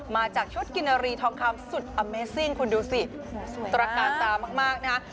มาจากชุดกินอารีทองคำสุดอเมซิ่งคุณดูสิสวยมากตรกาสามากมากนะครับ